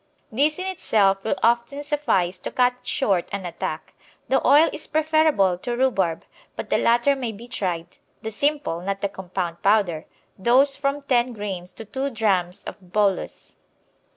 This in itself will often suffice to cut short an attack. The oil is preferable to rhubarb, but the latter may be tried the simple, not the compound powder dose from 10 grains to 2 drachms in bolus.